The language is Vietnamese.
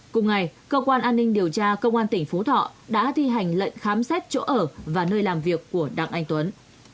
cùng ngày cơ quan an ninh điều tra công an tỉnh phú thọ đã thi hành lệnh khám xét chỗ ở và nơi làm việc của đặng anh tuấn